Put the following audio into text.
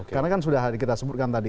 karena kan sudah kita sebutkan tadi